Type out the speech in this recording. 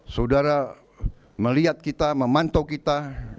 saudara melihat kita memantau kita